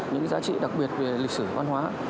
những giá trị đặc biệt về lịch sử văn hóa